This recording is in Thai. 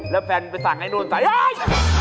แล้วแฟนไปสั่งไอ้โดนสายาย